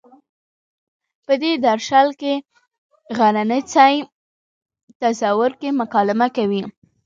په دې درشل کې غرڅنۍ تصور کې مکالمه کوي.